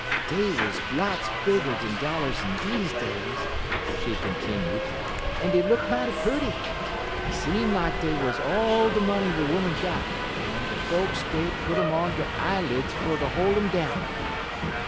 "Dey wuz lots bigger dan dollars is deze days," she continued, "en dey look mighty purty. Seem like dey wuz all de money de 'Oman got, en de folks dey put um on 'er eyeleds fer to hol' um down.